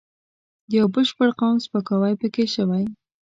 د یوه بشپړ قوم سپکاوی پکې شوی.